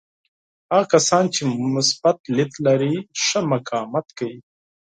هغه کسان چې مثبت لید لري ښه مقاومت کوي.